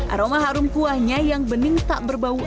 aroma harum kuahnya yang bening tak berbau amis sangat